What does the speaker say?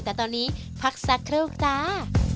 แต่ตอนนี้พักสักครู่จ้า